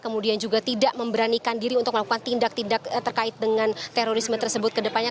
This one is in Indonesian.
kemudian juga tidak memberanikan diri untuk melakukan tindak tindak terkait dengan terorisme tersebut ke depannya